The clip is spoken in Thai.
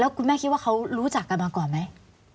คุณแม่คิดว่าเขารู้จักกันมาก่อนไหม